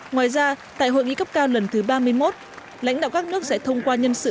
ngoài ra tại hội nghị cấp cao lần thứ ba mươi một lãnh đạo các nước sẽ thông qua nhân sự